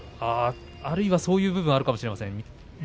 あるいはそういう部分があるかもしれません。